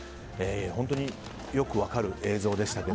本当によく分かる映像でしたね。